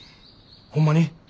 ホンマに？